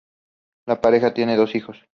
La pareja tiene dos hijos.